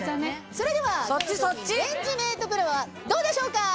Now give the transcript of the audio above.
それではレンジメートプロはどうでしょうか？